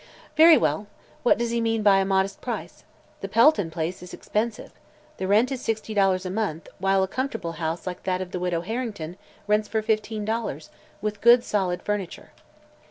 "Very well. What does he mean by 'a modest price'? The Pelton place is expensive. The rent is sixty dollars a month, while a comfortable house like that of the Widow Harrington rents for fifteen dollars, with good, solid furniture."